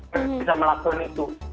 bisa melakukan itu